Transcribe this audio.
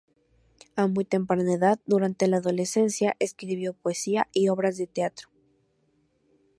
A muy temprana edad, durante la adolescencia, escribió poesía y obras de teatro.